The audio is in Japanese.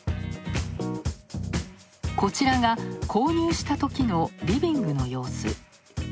こちらが、購入したときのリビングの様子。